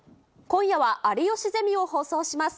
今夜は有吉ゼミを放送します。